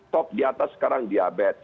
top di atas sekarang diabetes